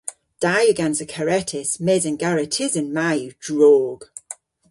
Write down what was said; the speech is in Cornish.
Da yw gansa karetys mes an garetysen ma yw drog.